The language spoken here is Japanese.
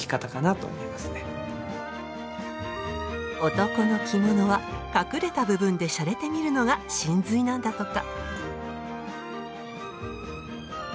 「男の着物」は隠れた部分でシャレてみるのが神髄なんだとか。